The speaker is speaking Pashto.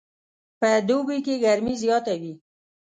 په دوبي کې ګرمي زیاته وي